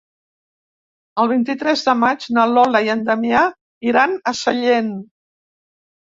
El vint-i-tres de maig na Lola i en Damià iran a Sellent.